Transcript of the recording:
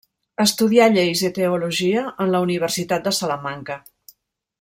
Estudià lleis i teologia en la Universitat de Salamanca.